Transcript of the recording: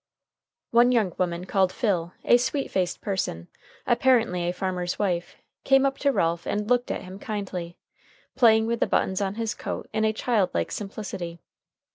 One young woman, called Phil, a sweet faced person, apparently a farmer's wife, came up to Ralph and looked at him kindly, playing with the buttons on his coat in a childlike simplicity.